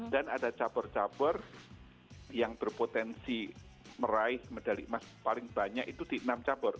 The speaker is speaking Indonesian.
dan ada cabur cabur yang berpotensi meraih medali emas paling banyak itu di enam cabur